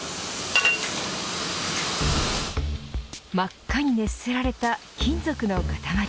真っ赤に熱せられた金属の塊。